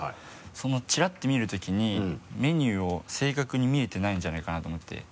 そのチラッて見る時にメニューを正確に見えてないんじゃないかなと思って。